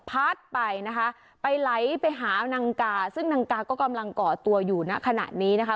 พัดไปนะคะไปไหลไปหานางกาซึ่งนางกาก็กำลังก่อตัวอยู่ณขณะนี้นะคะ